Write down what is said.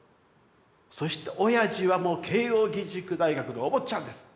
そしておやじはもう慶應義塾大学のお坊ちゃんです！